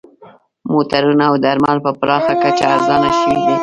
موټرونه او درمل په پراخه کچه ارزانه شوي دي